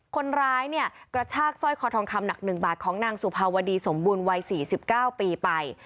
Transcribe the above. คนร้ายเนี่ยกระชากสร้อยคอทองคำหนัก๑บาทของนางสุภาวดีสมบูรณ์วัย๔๙ปีไป